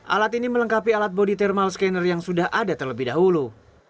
alat ini melengkapi alat bodi thermal scanner yang sudah ada terlebih dahulu